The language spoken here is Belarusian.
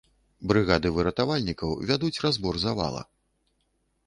Брыгады выратавальнікаў вядуць разбор завала.